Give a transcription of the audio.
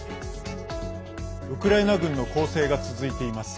ウクライナ軍の攻勢が続いています。